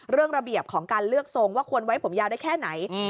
ระเบียบของการเลือกทรงว่าควรไว้ผมยาวได้แค่ไหน